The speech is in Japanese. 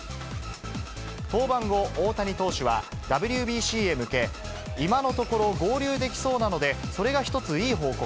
登板後、大谷投手はＷＢＣへ向け、今のところ、合流できそうなので、それが一ついい報告。